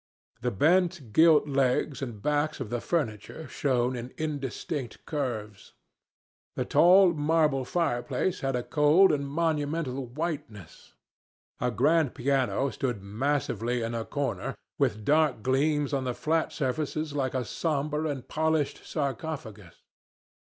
The bent gilt legs and backs of the furniture shone in indistinct curves. The tall marble fireplace had a cold and monumental whiteness. A grand piano stood massively in a corner, with dark gleams on the flat surfaces like a somber and polished sarcophagus.